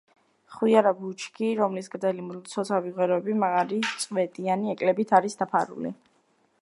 ხვიარა ბუჩქი, რომლის გრძელი, მცოცავი ღეროები მაგარი, წვეტიანი ეკლებით არის დაფარული.